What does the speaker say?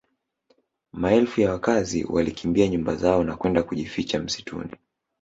Maelfu ya wakazi walikimbia nyumba zao na kwenda kujificha msituni